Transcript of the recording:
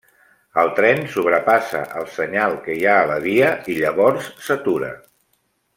El tren sobrepassa el senyal que hi ha a la via i llavors, s'atura.